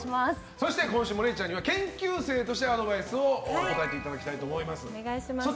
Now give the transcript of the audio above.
そして今週も、れいちゃんには研修生としてアドバイスをいただきたいと思います。